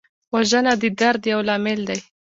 وژنه د درد یو لامل دی